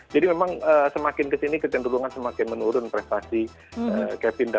jadi memang semakin kesini kecenderungan semakin menurun prestasi kevin